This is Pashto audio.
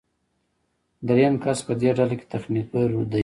دریم کس په دې ډله کې تخنیکګر دی.